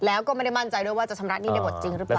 แล้วก็ไม่ได้มั่นใจด้วยว่าจะชำระหนี้ในบทจริงหรือเปล่า